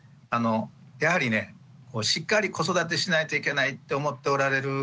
やはりねしっかり子育てしないといけないって思っておられる